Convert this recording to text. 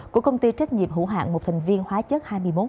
của công ty trách nhiệm hữu hạng một thành viên hóa chất hai mươi một